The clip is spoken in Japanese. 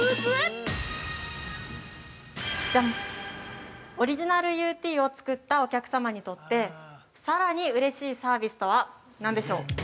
◆ジャン、オリジナルＵＴを作ったお客様にとってはさらにうれしいサービスとはなんでしょう。